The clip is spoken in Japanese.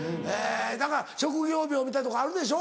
だから職業病みたいなとこあるでしょ